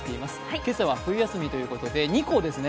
今朝は冬休みということで２校ですね。